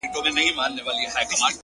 چي سره ورسي مخ په مخ او ټينگه غېږه وركړي”